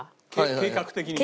計画的に。